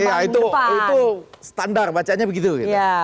iya itu standar bacaannya begitu gitu